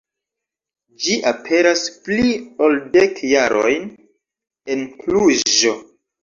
Ĝi aperas pli ol dek jarojn en Kluĵo.